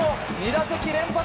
２打席連発。